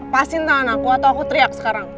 pasin tangan aku atau aku teriak sekarang